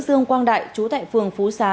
dương quang đại trú tại phường phú xá